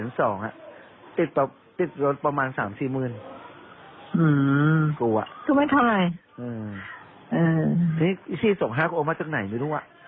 นี่พี่สี่ส่ง๕โอมาจากไหนไม่รู้ว่ะ